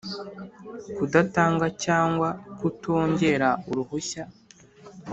Kudatanga cyangwa kutongera uruhushya